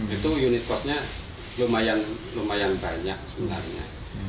itu unit cost nya lumayan banyak sebenarnya